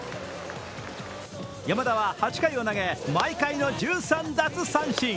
山田は８回を投げ、毎回の１３奪三振。